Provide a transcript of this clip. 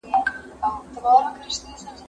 زه پرون د کتابتوننۍ سره مرسته وکړه،